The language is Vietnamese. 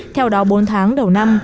theo đó bốn tháng đầu năm